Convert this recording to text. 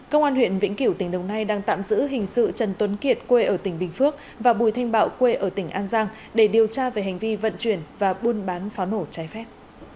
công an huyện vĩnh kiểu tỉnh đồng nai đang tạm giữ hình sự trần tuấn kiệt quê ở tỉnh bình phước và bùi thanh bạo quê ở tỉnh an giang để điều tra về hành vi vận chuyển và buôn bán pháo nổ trái phép